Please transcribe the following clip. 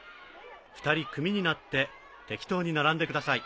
２人組になって適当に並んでください。